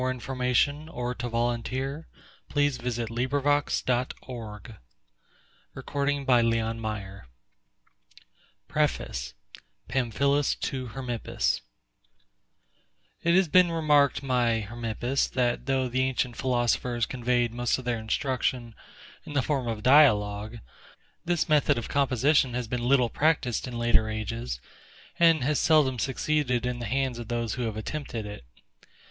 HTML version by Al Haines. Dialogues Concerning Natural Religion by David Hume PAMPHILUS TO HERMIPPUS It has been remarked, my HERMIPPUS, that though the ancient philosophers conveyed most of their instruction in the form of dialogue, this method of composition has been little practised in later ages, and has seldom succeeded in the hands of those who have attempted it.